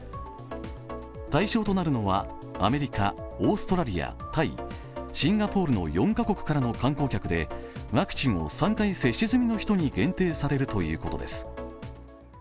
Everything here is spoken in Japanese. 対象となるのは、アメリカ、オーストラリア、タイ、シンガポールからの４カ国からの観光客でワクチンを３回接種済みの人に限定されるということです。